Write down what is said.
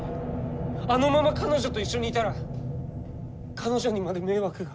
あのまま彼女と一緒にいたら彼女にまで迷惑が。